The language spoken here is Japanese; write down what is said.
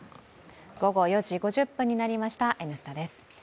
午後４時５０分になりました、「Ｎスタ」です。